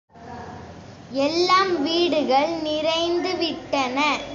எல்லாம் வீடுகள் நிறைந்து விட்டன.